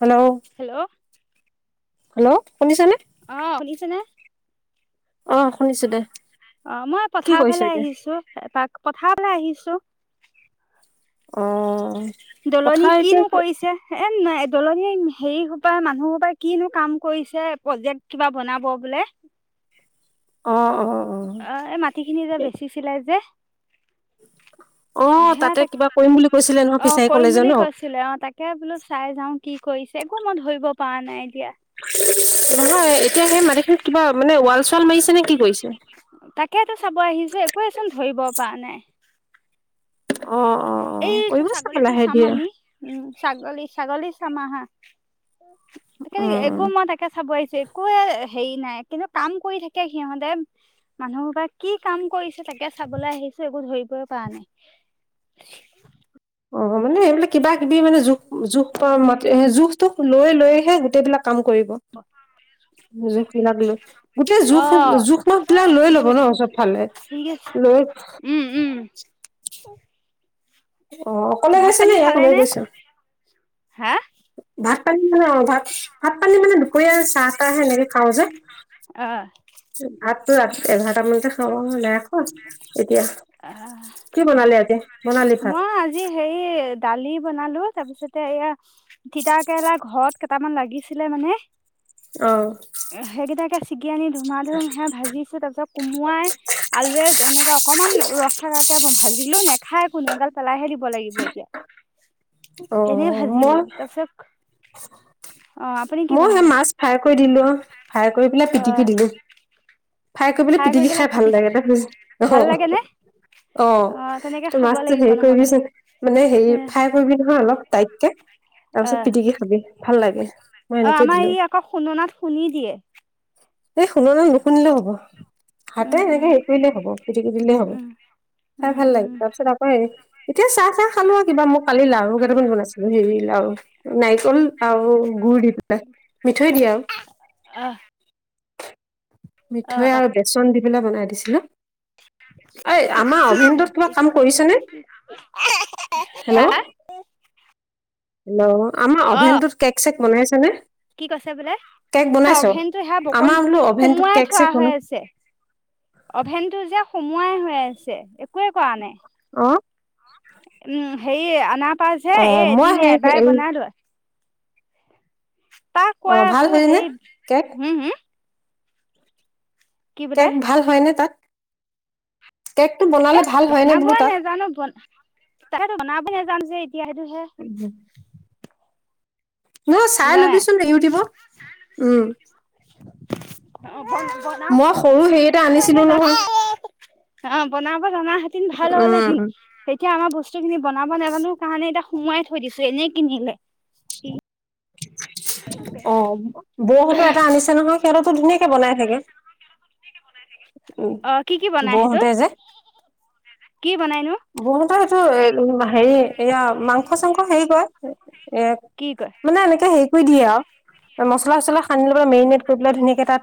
Hello hello hello শুনিছানে? অ শুনিছেনে? অ শুনিছো দে অ মই কি পথাৰ কৰিছ ফালে এতিয়া আহিছো এপাক। পথাৰলে আহিছো। অ। দলনি পথাৰ এতিয়া কিনো কৰিছে এ না দলনি এ হেৰি হুপা মানুহ হুপা কিনো কাম কৰিছে প্ৰজেক্ট কিবা বনাব বোলে। [inaudible] অ অ। অ এই মাটিখিনি যে বেচিছিলে যে উ। সেয়া তাকে অ ফিচাৰী কৰিম কলেজত বুলি ন কৈছিলে অ তাকে বোলো চাই যাও কি কৰিছে একো মই ধৰিব পৰা নাই এতিয়া। নহয় এতিয়া সেই মানিখিনি কিবা মানে ৱাল চোৱাল মাৰিছে নে কি কৰিছে। তাকেইেতো চাব আহিছো একোৱেচোন ধৰিব পৰা নাই। অ অ অ এইটো কৰিব চাগে ছাগলীটো লাহে চাম ধীৰে আমি উম। ছাগলী ছাগলী চাম আহা তাকে একো উম মই তাকে চাব আহিছো। একোৱা হেৰি নাই কিন্তু কাম কৰি থাকে সিহঁতে মানুহ হুপাই কি কাম কৰিছে তাকে তাকে চাবলৈ আহিছো একো ধৰিবই পৰা নাই। [inaudible] অ মানে এইবিলাক কিবা কিবি মানে জোখ জোখ পা মাতে জোখটোখ লৈ লৈয়েহে গোটেইবিলাক কাম কৰিব জোখ বিলাক লৈ। গোটেই অ জোখ জোখমাখ বিলাক লৈ ল'ব ন চবফালে ঠিক আছে লৈ। [inaudible] উ। অ অকলে গৈছ ইয়াকো লৈ নে গৈছ? হা। ভাত পানী মানে অ ভাত ভাত পানী মানে দুপৰীয়া চাহ তাহে এনেকে খাওঁ যে। অহ ভাতটো ৰাতি এঘাৰটা মানতে খাওঁ আৰু ওলাই আহো এতিয়া অ কি বনালি আজি। বনালি ভাত মই আজি হেৰি এ দালি বনালো তাৰপিছতে এয়া তিতা কেৰেলা ঘৰত কেইটামান লাগিছিলে মানে। অ সেইকেইটাকে ছিগি আনি ধুমা ধুম সেয়া ভাজিছো তাৰ পিছত কোম- মোৱাই আলুৱে তেনেকে অকনমান ৰসে ৰাসে ভাজিলো নে খাই কোনো এডাল পেলাইহে দিব লাগিব এতিয়া অ এনে ভাজিলো মই তাৰ পিছত মই সেই মাছ ফ্ৰাই কৰি দিলো অ ফ্ৰাই কৰি পেলাই অ পিটিকি দিলো। ফ্ৰাই কৰিবলৈ কৰি পিটিকি খাই পেলাই ভাল লাগ পিটিকি ন ফিচ অ হ ভাল লাগে নে অ'! তেনেকে ত' খাব মাছ লাগিব হেৰি নহবা কৰিবিচোন। মানে, হেৰি এ ফ্ৰাই কৰিবি নহয় অলপ টাইটকে, তাৰ অ পিছত, পিটিকি খাবি ভাল লাগে। মই অ'! এনেকে আমাৰ দিলো ই আকৌ, খুন্দনাত খুন্দি দিয়ে। এই খুন্দনাত নুখুন্দিলেও হ'ব। হাতে উম এনেকে উম হেৰি কৰিলে হ'ব, পিটিকি দিলে হ'ব, উম খাই উম ভাল উম লাগে। তাৰপিছত, আকৌ হেৰি এতিয়া চাহ চাহ খালোঁ আৰু কিবা। মই কালি লাাৰু কেইটামান বনাইছিলোঁ, হেৰি লাৰু, নাৰিকল আৰু গুুৰ দি পেলাই মিঠৈ দিয়া আৰু। আহ মিঠৈ আৰু বেচন দি পেলাই বনাই দিছিলোঁ। এই, আমাৰ অভেনটোত কিবা কাম কৰিছেনে? হা হেল্ল'! হা হেল্ল'! আমাৰ অভেনটোত কেক চেক বনাইছে নে? কি কৈছে বোলে! অভেনটো হা অকন আমাৰ বোলো অভেনটোত সোমোৱাই কেক থোৱা চেক হৈ বনাই আছে। অভেনতটো যে সোমোৱাই হৈ আছে একোৱে কৰা নাই। অ উম, হেৰি আ আনাপা যে, অ এ মই এদিনে সেই এবাৰে হেৰি বনালোঁ। তাক অ কৈ ভাল আছোঁ! হয়নে সেই কেক হু! হু! কেক ভাল হয়নে তাত? কেকটো এ, বনালে ভাল হয়নে বোলো বনাবই তাত নাজানোঁ। ব তাকে বনাব নেজানোঁ যে এতিয়া, সেইটোহে। অ'! চাই বুজা নাই ল'বিচোন ইউটিউবত। অ বনাব মই, সৰু হেৰি এটা আনিছিলোঁ নাজানো নহয়। অ'! বনাব জনা হেতেন, ভাল হ'ল হেতেন। এতিয়া আমাৰ বস্তু খিনি বনাব নাজানোঁ কাৰণে, এতিয়া সোমোৱাই থৈ দিছে, এনেই কিনিলে। অ'! বৌহঁতে এটা আনিছে নহয়! সিহঁতৰটো ধুনীয়াকে বনাই থাকে। উম, অ কি কি বনাই সেইটোত বৌহঁতে যে কি বনাইনো বহুতৰ এইটো, এ, হেৰি এয়া, মাংস চাংস হেৰি কৰে। এ, কি কয় মানে, এনেকে হেৰি দিয়ে আৰু মছলা চচলা সানি লয়, মেৰিনেট কৰি পেলাই ধুনীয়াকে তাত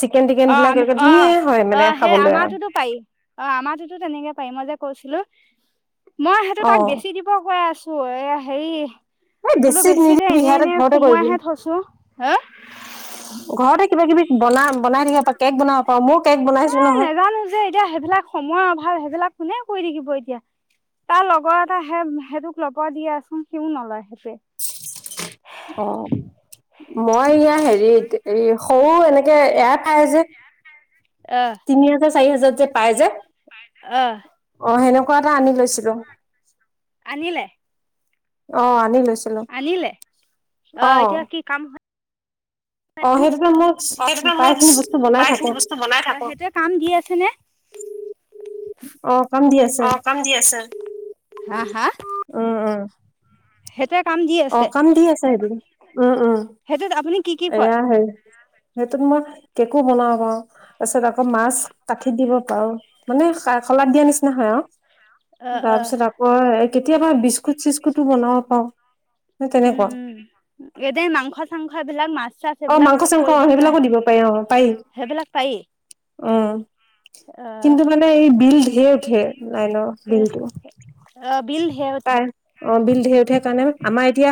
চিকেন টিকেন অ'! বিলাক আমি এনেকে অ'! ধুনীয়াই হয় মানে অ'! সেই খাবলৈ আৰু আমাৰতোটো পাৰি। অ'! আমাৰতোটো তেনেকে পাৰি। মই যে কৈছিলোঁ, মই সেইটো অ তাক বেছি দিব কৈ আছোঁ এ, হেৰি এই বোলো বেছি দে, নিদিবি এনেই সিহঁতে এনেই ঘৰতে কৰিবি সুমোৱাইহে থৈছোঁ। হা! ঘৰতে কিবা কিবি বনা, বনাই থাকিব পা এ, নাজানোঁ যে এতিয়া। সেইবিলাক, সময়ৰ অভাৱ, সেইবিলাক কোনে কি কৰি থাকিব এতিয়া। তাৰ লগৰ এটা সেই সেইটোক ল'ব দি আচোঙ সিও নলয়। সেই অ'! মই ইয়াৰ হেৰিত, এই সৰু এনেকে, এয়া খায় যে। তিনি হাজাৰ, চাৰি হাজাৰ যে পাই যে? অ'! অ'! সেনেকুৱা এটা আনি লৈছিলোঁ। আনিলে? অ'! আনি লৈ আনিলে। অ'! এতিয়া কি কাম হয়। [inaudible] অ'! সেইটোতো মোক, অ সেইটো মই প্ৰায়খিনি বস্তু বনাই প্ৰায়খিনি থাকোঁ। বস্তু বনাই থাকো সেইটোৱে কাম দি আছে নে অ'! কাম দি আছে। অ কাম দি আছে হা হা উম! উম! সেইটোৱে কাম দি অ'! আছে কাম দি আছে সেইটোৰে। উম, উম, সেইটোত আপুনি কি কি কৰে এয়া হে সেইটোত মই কেকো বনাব পাৰোঁ। তাৰপিছত, আকৌ মাছ কাঠিত দিব পাৰোঁ। মানে, শলাত দিয়া নিচিনা খলা হয় আৰু। দিয়া নিচিনা হাঁহ অ', অ'। তাৰপিছত, আকৌ তাৰপিছত আকৌ কেতিয়াবা বি বিস্কুট কেতিয়াবা চিস্কুতো বিস্কুট বনাব চিস্কুটো পাওঁ। বনাও। উম, উম, এ [unintelligible] মাংস, চাংস এইবিলাক মাছ চাছ অ এইবিলাক মাংস চাংস কৰিব আহ নোৱাৰে সেইবিলাকো দিব পাৰি অ পাৰি সেইবিলাক পাৰি অ। অ', কিন্তু মানে এই বিল ধেৰ উঠে লাইনৰ বিলটো। অ বিল ধেৰ উঠে। উঠে উঠে কাৰণে আমাৰ এতিয়া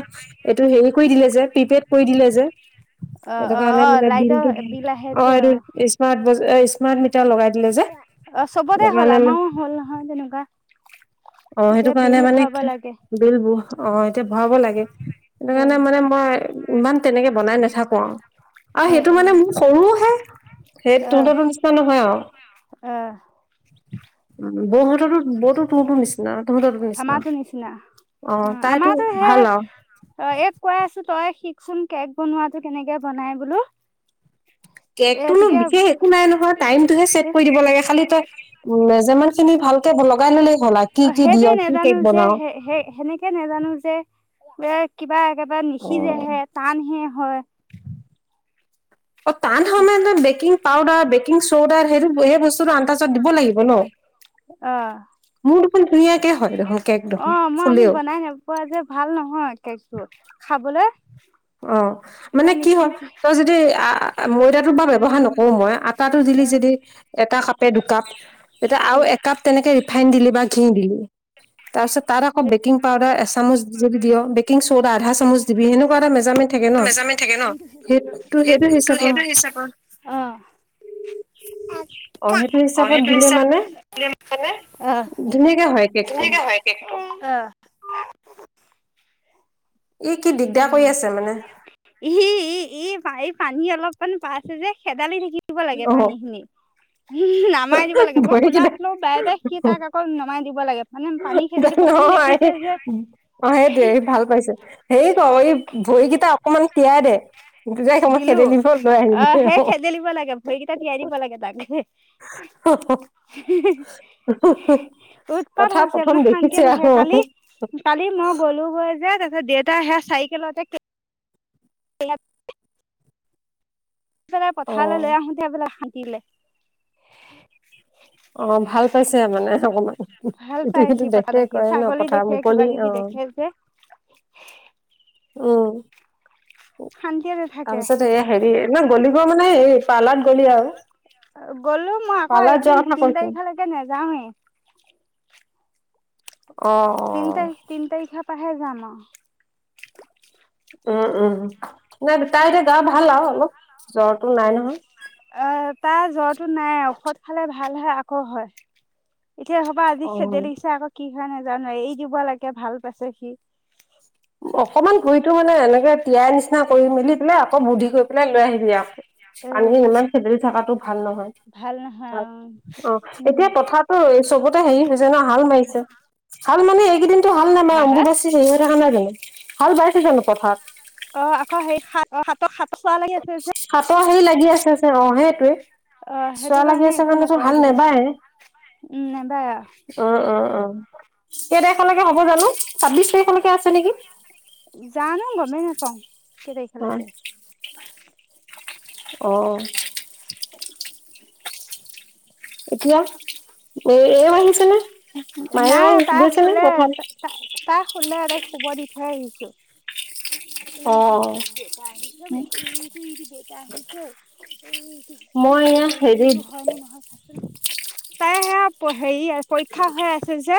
এইটো হেৰি কৰি দিলে যে প্ৰিপেড কৰি দিলে যে। অ', সেইটো অ', কাৰণে অ', মানে লাইটৰ বিলটো বিল আহে অ যে এইটো স্মাৰ্ট বজ এই স্মাৰ্ট মি অ চবতে হ'ল মানে আমাৰো হ'ল নহয় তেনেকুৱা। অ সেইটো এতিয়া কাৰণে বিল মানে ভৰাব কি লাগে। বিলবোৰ অ এতিয়া ভৰাব লাগে। সেইটো সেই কাৰণে মানে মই ইমান তেনেকে বনাই নাথাকো আৰু। আৰু এ সেইটো এ মানে মোৰ সৰুহে সেই অ', তোৰততো নিচিনা নহয় অ', আৰু। বৌহঁতৰো বৌতো তোৰতো নিচিনা। আমাৰটো নিচিনা। অ তাইতো আমাৰটো ভাল আৰু সেই এক কৈ আছো তই শিক চোন কেক বনোৱাটো কেনেকে বনাই বোলো। এ কেকটোনো তেতিয়া বিশেষ একো নাই নহয় টাইমতটোহে চেট কৰি দিব লাগে খালি তই মেজাৰ্মেনখিনি ভালকে বল অ সেইটোৱে নাজানো যে বনাও সেই সেই সেনেকে নাজানো যে ব কিবা একেবাৰে নিসিজেহে টানহে হয়। অ টান সময় বেকিং পাউডাৰ, বেকিং চৌডাৰ সেই সেই বস্তু আন্তাজাত দিব লাগিব ন। অহ। মোৰো দুখুন ধুনীয়াকে হয় দেখোন। কেক অ দেখোন মই আমি ফুলেও বনাই নোপোৱা যে ভাল নহয় কেকটো খাবলৈ অ কিবা মানে কি হয় নিসিজে তই যদি আ ময়দাটোৰ বা ব্যৱহাৰ নকৰো মই আ টাতো দিলি এ যদি এটা কাপে দুকাপ এ আৰু একাপ তেনেকে ৰিফাইন দিলি বা ঘি দিলি তাৰপিছত তাৰ আকৌ এ বেকিং পাইদাৰ এচামুচ যদি দীয় বেক কিং চ'দা আধা চামুচ দিবি সেনেকুৱা এটা মেজাৰমেণ্ট থাকে ন। মেজাৰমেণ্ট থাকে ন সেইটো সেইটো হিচাপত সেইটো হিচাপত অ সেইটো অ হিচাপত সেইটো দিলে হিচাপ মানে [inaudible] অহ। ধুনীয়াকে হয় কেকটো ধুনীয়াকে হয় কেকটো অ [inaudible] ই কি দিগদাৰ কৰি উম, আছে মানে ই এই এই পানী অলপ মানে পাইছে যে খেদালি থাকিব লাগে অ পানী খিনি। নামাই দিব লাগে মই ভৰি কোলাত কেইটা লও বায় বায় সি তাক আকৌ নমাই দিব লাগে মানে পানী খেদিলো প্ৰথম অ দেখিছে সেই যে অ সেইটোৱে ভাল পাইছে হেৰি ক এই ভৰিকেইটা অকমান তিয়াইদে। দিলো অ সেই খেদেলিব লাগে ভৰিকেইটা তিয়াই দিব লাগে তাকে। হু হু হু হু। উৎপাত হৈছে মানে শান্তিয়ে নাথাকে, কালি কালি মই গলো গৈ তাৰপিছত দেউতা সেয়া চাইকেলতে কে অলপ। [inaudible] আহ পেলাই অ পথাৰলৈ লৈ আহোতে বাই হাগিলে। অ ভাল পাইছে মানে অকমান, ভাল ইটো পায় সিটো সি দেখে পথাৰলৈ সি কৰে ন ছাগলী পথাৰ দেখে কিবা মুকলি আৰু কিবি দেখে যে। [unintelligible] উম, শান্তিয়ে নাথাকে তাৰপিছত এই হেৰি ন গলি মানে এই পাৰ্লাত গ'লি আৰু গলো মই আকৌ পাৰ্লাৰত এদিন যোৱা কথা তিন কৈছে। তাৰিখলৈকে নাযাওহে। অ', তিন অ', তাৰিখ তিন তাৰিখৰ পৰাহে যাম আও। উম উম নাই তাই এতিয়া গা ভাল আৰু অলপ জ্বৰটো নাই নহয়। অ তাৰ জ্বৰটো নাই ঔষধ খালে ভাল হয় আকৌ হয়। এতিয়া হ'বা আজি অ'। [unintelligible] আকৌ কি হয় নোজানো এই দিব লাগে ভাল পাইছে সি। অকনমান ঘুৰিটো মানে এনেকে তিয়াই নিচিনা কৰি মেলি পেলাই আকৌ বুদ্ধি কৰি পেলাই লৈ আহি দিয়া এ পানী ইমান খেদিলি থাকাটো ভাল নহয়। ভাল নহয় অহ, উম। এতিয়া কথাটো চবতে হেৰি হৈছে ন হাল মাৰিছে। হাল মানে এইকেইদিনটো হাল নাই মানে হা হা অম্বুবাচি সেৰিযুহ থকা নাই জানো ভাল বাইছে জানো পথাৰত। অহ, আকৌ সেই সাত অ সাত -সাত। সাতৰ হেৰি লাগি আছে যে অহ সেটোৱে। অ' চোৱা সেইটো লাগি আছে একো কাৰণে তোৰ নকৰে হাল এইকেইদিন নেবাই এনে। উম নাইবাৰ অহ - অহ - অহ কেই তাৰিখলৈকে হ'ব জানো? ছাব্বিশ তাৰিখলৈকে আছে নেকি? জানো গমেই নাপাওঁ। কেই তাৰিখলকে? অহ। এতিয়া এ- এওঁ আহিছেনে? মাইনা নাই তাই গৈছেনে সুলে পথাৰলে? -তাই শুলে তাই শুব দি থাই আহিছো। [inaudible] [unintelligible] টো মই এয়া হেৰিত হয় নে নহয় চাচোন তাই সেয়া হেৰি পৰীক্ষা হৈ আছে যে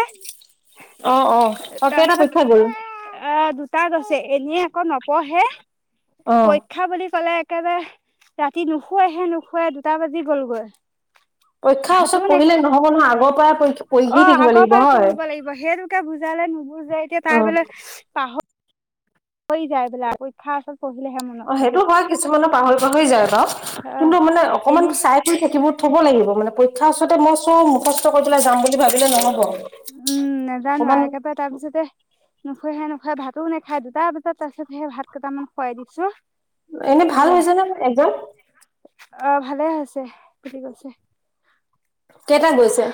অ', অ', [unintelligible] অ' কেইটা পৰীক্ষা গ'ল? তাৰপিছত এ দুটা গ এনে আকৌ নপঢ়ে অ', পৰীক্ষা বুলি কলে একেবাৰে ৰাতি নুশুৱেহে -নুশুৱে দুটা বাজি গলগৈ পৰীক্ষা ওচৰত পঢ়িলে নহ'ব নহয় আগৰ পৰাই পৰীক্ষা অহ, আগৰ পৰা পঢ়িব লাগিব সেইটোকে বুজালে নুবুজে এতিয়া তাই অ'। বোলে পাহ হৈ যায় বোলে পৰীক্ষা ওচৰত পঢ়িলেহে মনত অহ, থাকে সেইটো হয় কিছুমানৰ পাহৰি- পাহৰি যায় বাউ আহ কিন্তু মানে অকমান এনে চাই কৰি খাকিব থব লাগিব। পৰীক্ষা ওচৰতে মই চব মুখস্থ কৰি পেলাই যাম বুলি ভাবিলে নহ'ব। উম, নেজানোৱে অকমান একেবাৰে তাৰ পিছতে নুশুৱেহে নুশু খাই ভাতো নেখাই দুটা বজাত তাৰছত সে ভাত কেইটামান খুৱাই দিছোঁ এনে ভাল হৈছে নহ একজাম? অহ, ভালে হৈছে কুটি গৈছে। কেটাত গৈছে?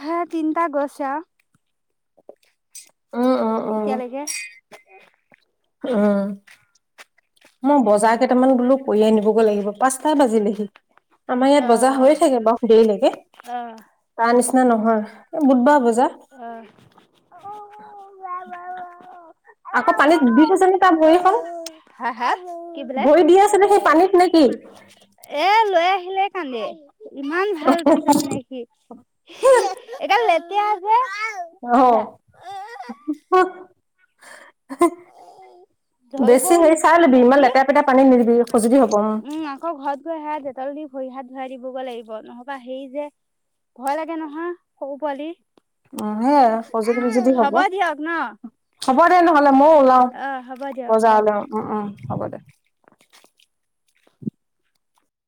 হেতিনিটা গইছে আওঁ উম, উম, উম, এতিয়ালৈকে উম, মই বজাৰ কেইটামান বোলো কৰি আনিবগৈ লাগিব পাচ পাচটা বাজিলেহি আমাৰ ইয়াত অ বজা অ হৈয়ে থাকে বাৰু দেৰিলৈকে অ তাৰ নিচিনা নহয় এহ বুধবাৰ বজাৰ অহ [unintelligible] আকৌ পানীত দূবি থৈছে নে তাৰ ভৰিখন? হা -হা কি বোলে ভৰি দি আছে নে সেই পানীত নে কি? এহ লৈ আহিলে কান্দে ইমান ভাল পাইছে মানে সি যে অহ অজা [unintelligible] ধৰিবও নিদিয়ে মানে সি নিদিবি খজুতি হ'ব উম আকৌ ঘৰত গৈ সে ডেটল দি ভৰি হাত ধুৱাই দিবগৈ লাগিব নহবা হেৰি যে ভয় লাগে নহয় সৰু পোৱালি। অহ হে আৰু খজুলি উম, -বিজুলি হ'ব দিয়ক ন? হ'ব দে নহ'লে মইওলাওঁ। অ', হ'ব দিয়ক অ'। বজাৰলৈ উম- উম হ'ব দে। [inaudible]